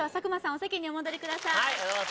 お席にお戻りください